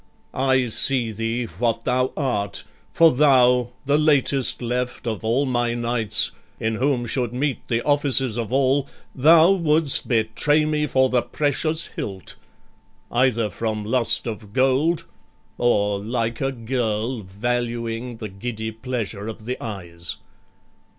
I see thee what thou art, For thou, the latest left of all my knights, In whom should meet the offices of all, Thou wouldst betray me for the precious hilt; Either from lust of gold, or like a girl Valuing the giddy pleasure of the eyes.